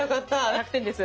１００点です。